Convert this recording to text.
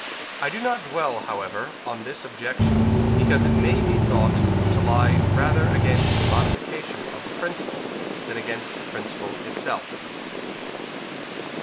I do not dwell, however, on this objection, because it may be thought to be rather against the modification of the principle, than against the principle itself.